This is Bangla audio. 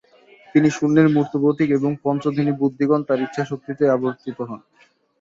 তিনি শূন্যের মূর্ত প্রতীক এবং পঞ্চধ্যানী বুদ্ধগণ তাঁর ইচ্ছাশক্তিতেই আবির্ভূত হন।